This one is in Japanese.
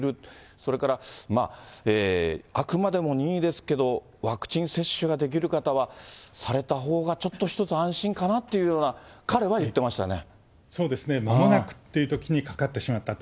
それから、あくまでも任意ですけど、ワクチン接種ができる方は、されたほうがちょっと一つ安心かなっていうような、そうですね。まもなくっていうときにかかってしまったと。